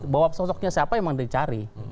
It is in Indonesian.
bahwa sosoknya siapa emang dicari